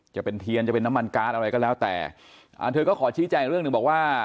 จะเป็นเทียนจะเป็นน้ำมันการ์ดอะไรก็แล้วแต่อ่าเธอก็ขอชี้แจงเรื่องหนึ่งบอกว่า